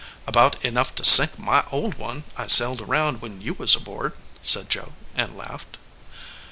"About enough to sink my old one I sailed around when you was aboard," said Joe, and laughed.